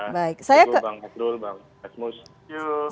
baik saya ke bang erasmus